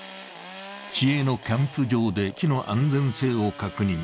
市営のキャンプ場で木の安全性を確認。